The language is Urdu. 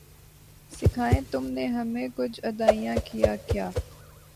سکھائیں تم نے ہمیں کج ادائیاں کیا کیا